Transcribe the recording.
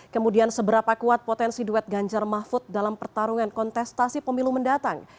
kemudian seberapa kuat potensi duet ganjar mahfud dalam pertarungan kontestasi pemilu mendatang